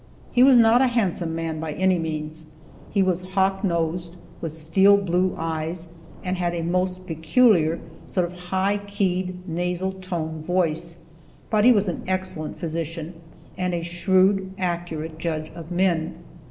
He was not a handsome man, by any means. He was hawk nosed, with steel blue eyes, and had a most peculiar sort of a high keyed, nasal toned voice. But he was an excellent physician, and a shrewd, accurate judge of men.